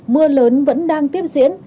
mưa lớn vẫn đang tiếp diễn